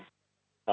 kalau yang kedua